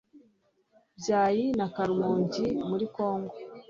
Byahi na Karumongi muri Kongo.